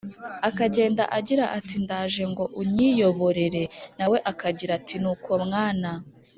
akagenda agira ati: “ndaje ngo unyiyoborere“. nawe akagira ati: “nuko mwana